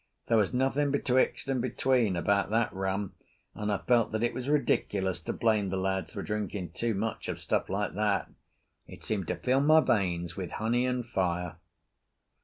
There was nothing betwixt and between about that rum, and I felt that it was ridiculous to blame the lads for drinking too much of stuff like that. It seemed to fill my veins with honey and fire.